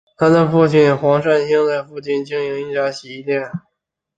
她父亲黄善兴在附近经营一家洗衣店。